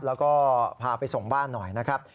แล้วก็พาไปส่งบ้านหน่อยนะครับ